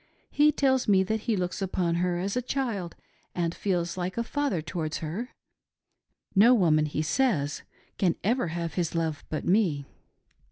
He tells me that he looks upon her as a child and feels like a father towards her ; no woman, he says, can ever have his love but me.